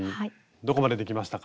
どこまでできましたか？